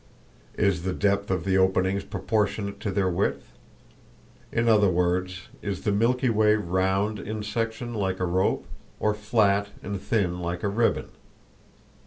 Is the depth of the openings proportionate to their width? In other words, is the Milky Way round in section like a rope, or flat and thin like a ribbon?